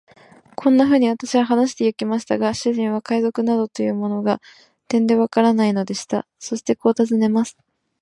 こんなふうに私は話してゆきましたが、主人は海賊などというものが、てんでわからないのでした。そしてこう尋ねます。